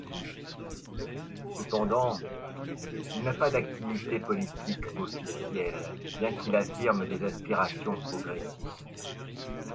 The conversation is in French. Cependant, il n'a pas d'activité politique officielle bien qu'il affirme des aspirations progressistes.